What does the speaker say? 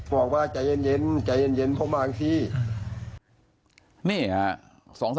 บอกว่าใจเย็นจะมากจริง